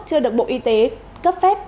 chưa được bộ y tế cấp phép